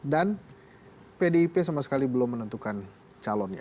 dan pdip sama sekali belum menentukan calonnya